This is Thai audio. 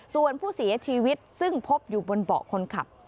ส่วนผู้เสียชีวิตซึ่งพบอยู่บนเบาะคนขับ